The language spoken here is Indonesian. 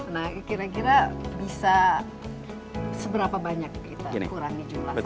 nah kira kira bisa seberapa banyak kita kurangi jumlah sampah